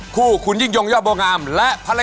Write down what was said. มีเงิน๑ล้านบาทเป็นเดิมพัน